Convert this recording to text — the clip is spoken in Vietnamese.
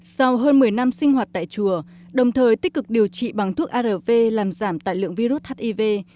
sau hơn một mươi năm sinh hoạt tại chùa đồng thời tích cực điều trị bằng thuốc arv làm giảm tài lượng virus hiv